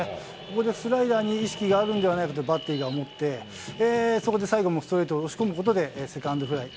ここでスライダーに意識があるんではないかとバッテリーが思って、そこで最後もストレートを押し込むことで、セカンドフライ。